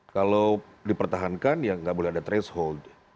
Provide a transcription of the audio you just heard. kalau dipertahankan ya nggak boleh ada threshold